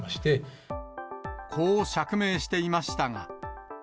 こう釈明していましたが。